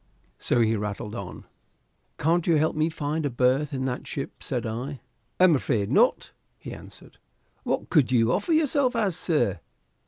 So he rattled on. "Can't you help me to find a berth in that ship?" said I. "I'm afraid not," he answered. "What could you offer yourself as, sir?